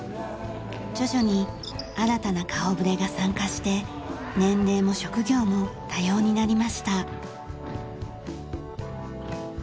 徐々に新たな顔ぶれが参加して年齢も職業も多様になりました。